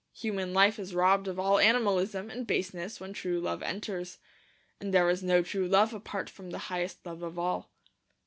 Human life is robbed of all animalism and baseness when true love enters. And there is no true love apart from the highest love of all.